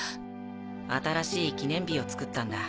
新しい記念日を作ったんだ。